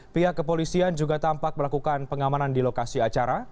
pihak kepolisian juga tampak melakukan pengamanan di lokasi acara